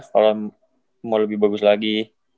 kalau mau lebih bagus lagi